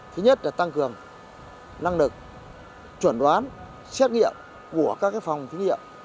thứ nhất là tăng cường năng lực chuẩn đoán xét nghiệm của các phòng thí nghiệm